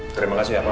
terima kasih ya pak